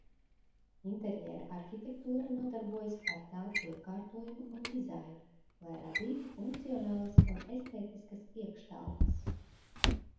Interjera arhitektūra nodarbojas ar telpu iekārtojumu un dizainu, lai radītu funkcionālas un estētiskas iekštelpas.